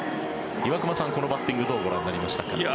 岩隈さんこのバッティングどうご覧になりましたか？